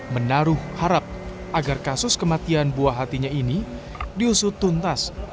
menaruh harap agar kasus kematian buah hatinya ini diusut tuntas